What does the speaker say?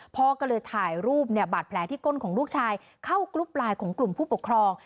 พ่อก็เลยถ่ายรูปเนี่ยบาดแผลที่ก้นของลูกชายเข้ากรุ๊ปไลน์ของกลุ่มผู้ปกครอง